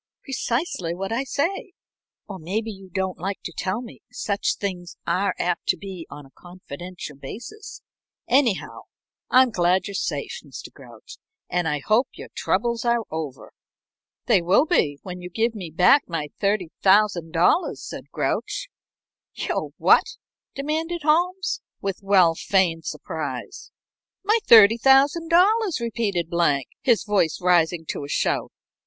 "Precisely what I say or maybe you don't like to tell me such things are apt to be on a confidential basis. Anyhow, I'm glad you're safe, Mr. Grouch, and I hope your troubles are over." "They will be when you give me back my $30,000," said Grouch. "Your what?" demanded Holmes, with well feigned surprise. "My $30,000," repeated Blank, his voice rising to a shout.